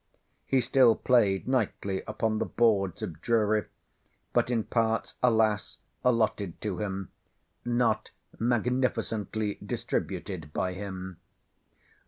He still played nightly upon the boards of Drury, but in parts alas! allotted to him, not magnificently distributed by him.